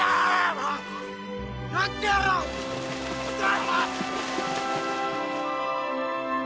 もうやってやらあ！